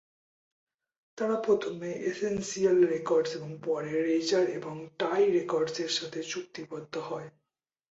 তারা প্রথমে essential records এবং পরে রেজর এবং টাই রেকর্ডসের সাথে চুক্তিবদ্ধ হয়।